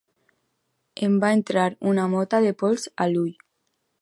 Em va entrar una mota de pols a l'ull.